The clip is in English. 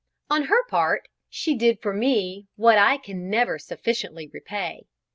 On her part, she did for me what I can never sufficiently repay.